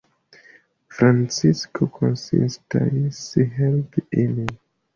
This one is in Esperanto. Francisko konsentis helpi lin.